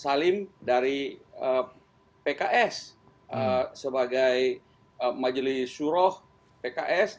ada pak salim dari pks sebagai majelis shuroh pks